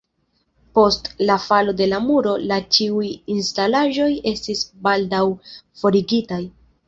Post "„la falo de la muro“" la ĉiuj instalaĵoj estis baldaŭ forigitaj.